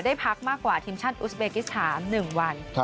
พักมากกว่าทีมชาติอุสเบกิสถาน๑วัน